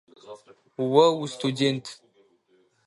О устудэнт.